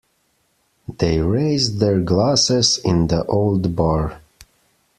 They raised their glasses in the old bar.